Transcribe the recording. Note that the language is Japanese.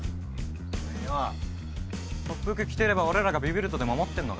おめえよ特服着てれば俺らがビビるとでも思ってんのか？